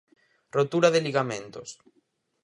Rotura de ligamentos.